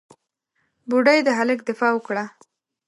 بوډۍ د هلک دفاع وکړه.